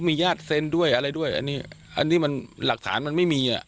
มีญาติเส้นด้วยอะไรด้วยอันนี้มันหลักฐานมันไม่มีอ่ะ